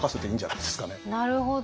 なるほど。